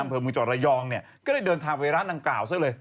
เผื่อมือจอดระยองก็ได้เดินทางไปร้านนางกล่าวซะเลย